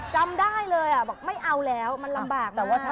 จำได้เลยบอกไม่เอาแล้วมันลำบากมาก